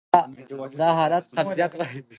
دا حالت ته قبضیت وایې.